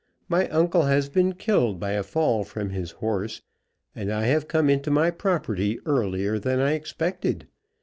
My uncle has been killed by a fall from his horse, and I have come into my property earlier than I expected.